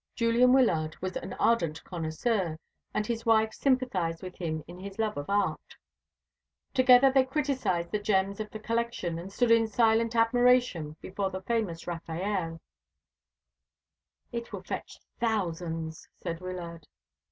Julian Wyllard was an ardent connoisseur, and his wife sympathised with him in his love of art. Together they criticised the gems of the collection, and stood in silent admiration before the famous Raffaelle. "It will fetch thousands," said Wyllard.